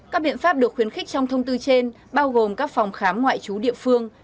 các biện pháp được khuyến khích trong thông tư trên bao gồm các phòng khám ngoại trú địa phương